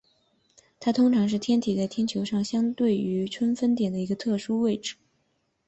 它通常是天体在天球上相对于春分点的一个特殊位置。